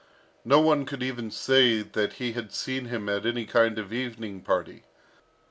No one could even say that he had seen him at any kind of evening party.